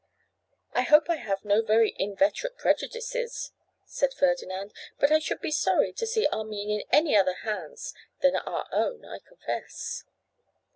'I hope I have no very inveterate prejudices,' said Ferdinand; 'but I should be sorry to see Armine in any other hands than our own, I confess.